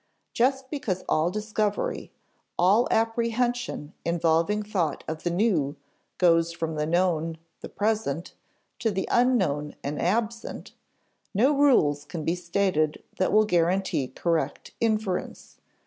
Just because all discovery, all apprehension involving thought of the new, goes from the known, the present, to the unknown and absent, no rules can be stated that will guarantee correct inference.